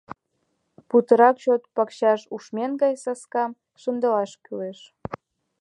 Путырак чот пакчаш ушмен гай саскам шындылаш кӱлеш.